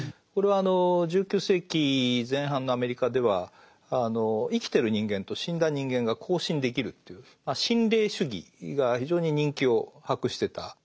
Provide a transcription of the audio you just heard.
これは１９世紀前半のアメリカでは生きてる人間と死んだ人間が交信できるという心霊主義が非常に人気を博してた。